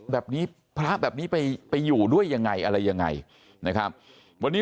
แบบนี้พระแบบนี้ไปอยู่ด้วยยังไงอะไรยังไงนะครับวันนี้